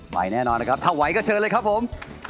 แน่นอนนะครับถ้าไหวก็เชิญเลยครับผม